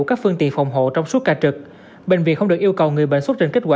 các phương tiện phòng hộ trong suốt ca trực bệnh viện không được yêu cầu người bệnh xuất trình kết quả